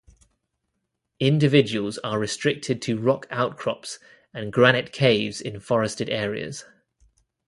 Individuals are restricted to rock outcrops and granite caves in forested areas.